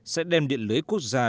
sẽ đem điện lưới quốc gia